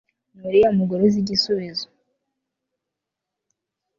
Nuriya mugore uzi igisubizo